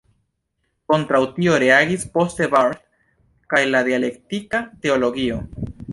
Kontraŭ tio reagis poste Barth kaj la dialektika teologio.